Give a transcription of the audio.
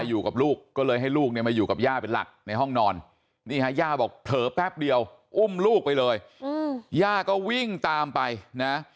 อยู่กับลูกก็เลยให้ลูกเนี่ยมาอยู่กับย่าเป็นหลักในห้องนอนนี่ฮะย่าบอกเผลอแป๊บเดียวอุ้มลูกไปเลยย่าก็วิ่งตามไปนะ